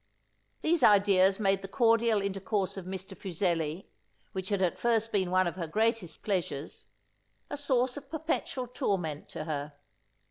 These ideas made the cordial intercourse of Mr. Fuseli, which had at first been one of her greatest pleasures, a source of perpetual torment to her.